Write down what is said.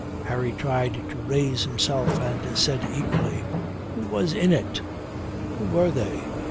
Harry tried to raise himself and said eagerly, "Who was in it? Who were they?"